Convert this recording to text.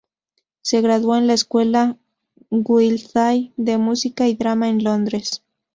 Se graduó de la Escuela Guildhall de Música y Drama en Londres.